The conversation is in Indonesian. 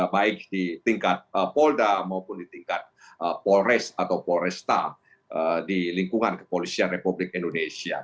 baik di tingkat polda maupun di tingkat polres atau polresta di lingkungan kepolisian republik indonesia